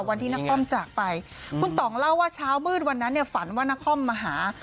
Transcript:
วันที่นักคอมจากไปคุณต่องเล่าว่าเช้ามืดวันนั้นเนี่ยฝันว่านครมาหา